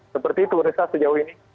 seperti itu risa sejauh ini